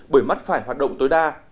bởi mắt phải hoạt động tối đa